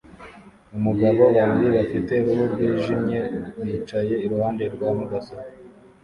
Umugabo babiri bafite uruhu rwijimye bicaye iruhande rwa mudasobwa